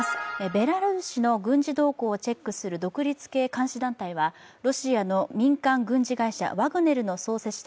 ベラルーシの軍事動向をチェックする独立系監視団体はロシアの民間軍事会社ワグネルの創設者